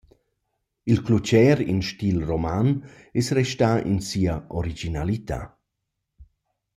Il clucher in stil roman es restà in sia originalità.